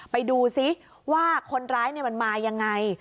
ไปดูซิว่าคนร้ายมันมายังไง